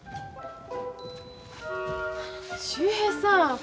秀平さん。